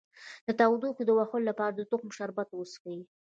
د تودوخې د وهلو لپاره د تخم شربت وڅښئ